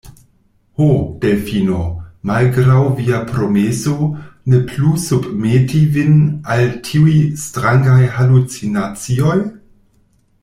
Ho, Delfino, malgraŭ via promeso, ne plu submeti vin al tiuj strangaj halucinacioj?